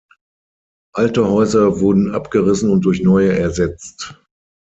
Alte Häuser wurden abgerissen und durch neue ersetzt.